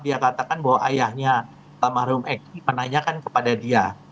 dia katakan bahwa ayahnya pak marium eki menanyakan kepada dia